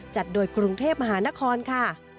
จัดโดยกรุงเทพมหานครค่ะ